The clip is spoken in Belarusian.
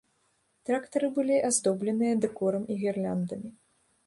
Трактары былі аздобленыя дэкорам і гірляндамі.